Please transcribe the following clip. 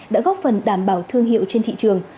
đã góp phần đảm bảo thương hiệu trên thị trường